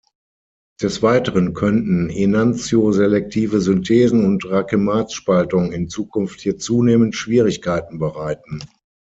Des Weiteren könnten enantioselektive Synthesen und Racematspaltung in Zukunft hier zunehmend Schwierigkeiten bereiten.